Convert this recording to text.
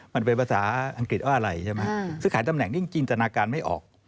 มันเป็นภาษาอังกฤษว่าอะไรใช่ไหมซื้อขายตำแหน่งยิ่งจินตนาการไม่ออก